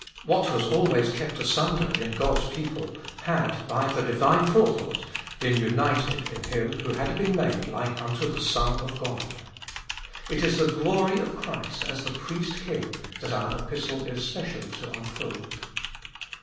What was always kept asunder in God's people had, by the divine forethought, been united in Him who had been made like unto the Son of God. It is the glory of Christ as the Priest King that our Epistle is specially to unfold.